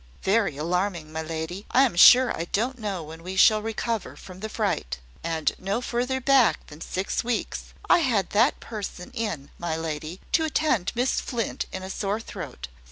"Very alarming, my lady. I am sure I don't know when we shall recover from the fright. And no further back than six weeks, I had that person in, my lady, to attend Miss Flint in a sore throat.